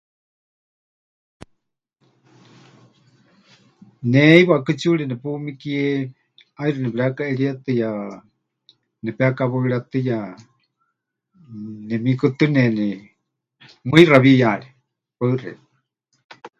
Ne heiwa kɨtsiuri nepumikie, ʼaixɨ nepɨrekaʼerietɨya, nepekawaɨrétɨya, nemikutɨneni mɨixa wiyaari. Paɨ xeikɨ́a.